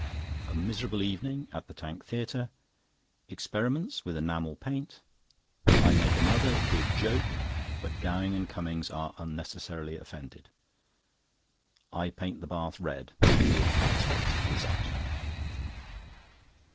A miserable evening at the Tank Theatre. Experiments with enamel paint. I make another good joke; but Gowing and Cummings are unnecessarily offended. I paint the bath red, with unexpected result.